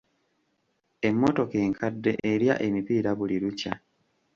Emmotoka enkadde erya emipiira buli lukya.